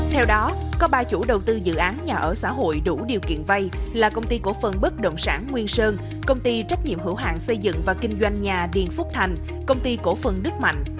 theo đó có ba chủ đầu tư dự án nhà ở xã hội đủ điều kiện vay là công ty cổ phần bất động sản nguyên sơn công ty trách nhiệm hữu hạng xây dựng và kinh doanh nhà điền phúc thành công ty cổ phần đức mạnh